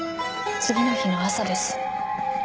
次の日の朝です。